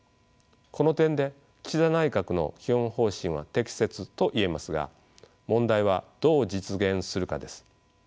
この点で岸田内閣の基本方針は適切といえますが問題はどう実現するかです。